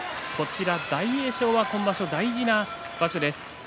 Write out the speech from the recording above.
大栄翔は今場所大事な場所です。